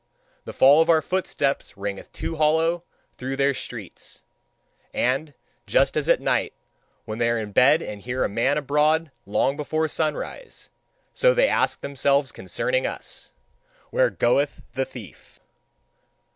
The fall of our footsteps ringeth too hollow through their streets. And just as at night, when they are in bed and hear a man abroad long before sunrise, so they ask themselves concerning us: Where goeth the thief?